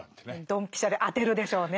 ドンピシャで当てるでしょうね。